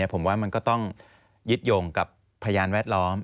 ผมว่ามันก็ต้องยึดโยงกับพยานแวดล้อม